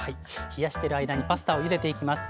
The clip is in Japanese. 冷やしてる間にパスタをゆでていきます。